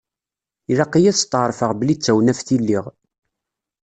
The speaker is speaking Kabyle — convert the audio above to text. Ilaq-iyi ad stεerfeɣ belli d tawnaft i lliɣ.